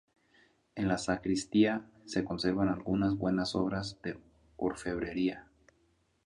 En la sacristía se conservan algunas buenas obras de orfebrería.